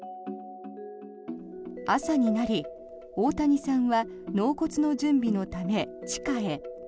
朝になり、大谷さんは納骨の準備のため、地下へ。